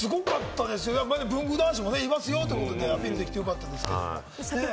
文具男子もいますよということで、アピールできてよかったですが。